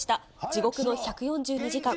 地獄の１４２時間。